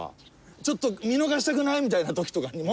ちょっと見逃したくないみたいな時とかにも。